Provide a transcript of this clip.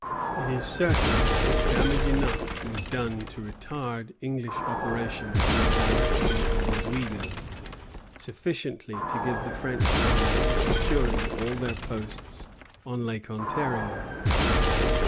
It is certain that damage enough was done to retard English operations in the direction of Oswego sufficiently to give the French time for securing all their posts on Lake Ontario.